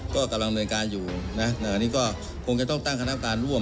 ก็กำลังเดินการอยู่นะอันนี้ก็คงจะต้องตั้งคณะการร่วม